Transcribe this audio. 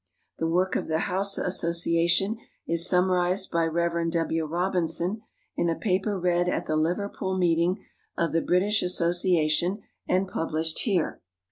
The work of the Hausa Asso ciation is summarized by Rev. W. Robinson, in a paper read at the Liver pool meeting of the British Association and published here.